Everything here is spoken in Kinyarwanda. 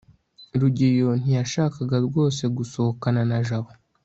rugeyo ntiyashakaga rwose gusohokana na jabo